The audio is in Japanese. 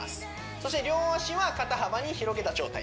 そして両足は肩幅に広げた状態